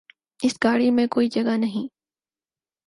اس گاڑی میں کوئی جگہ نہیں